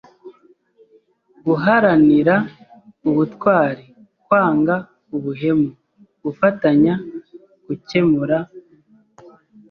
guharanira ubutwari, kwanga ubuhemu, gufatanya gukemura